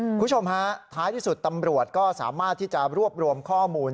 คุณผู้ชมฮะท้ายที่สุดตำรวจก็สามารถที่จะรวบรวมข้อมูล